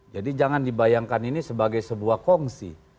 jadi jangan dibayangkan ini sebagai sebuah kongsi